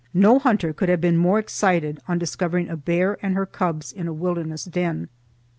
No hunter could have been more excited on discovering a bear and her cubs in a wilderness den.